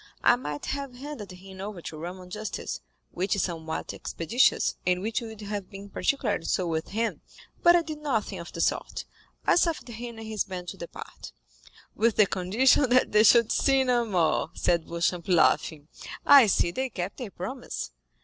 I might have handed him over to Roman justice, which is somewhat expeditious, and which would have been particularly so with him; but I did nothing of the sort—I suffered him and his band to depart." "With the condition that they should sin no more," said Beauchamp, laughing. "I see they kept their promise."